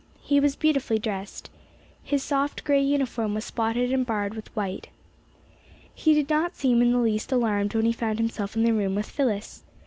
He was beautifully dressed. His soft gray uniform was spotted and barred with white. He did not seem in the least alarmed when he found himself in the room with Phyllis.